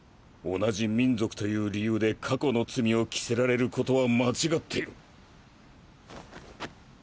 同じ民族という理由で過去の罪を着せられることは間違っている。